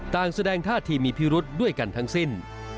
แสดงท่าทีมีพิรุษด้วยกันทั้งสิ้น